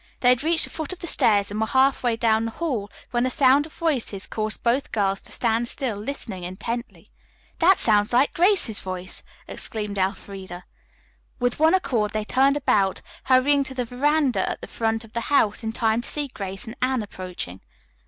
They had reached the foot of the stairs and were half way down the hall when the sound of voices caused both girls to stand still, listening intently. "That sounds like Grace's voice!" exclaimed Elfreda. With one accord they turned about, hurrying to the veranda at the front of the house in time to see Grace and Anne approaching.